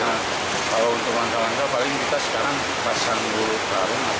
maksimal untuk pasang buah karung atau jauh